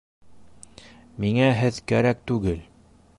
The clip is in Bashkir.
Миңә һеҙ кәрәк түгел.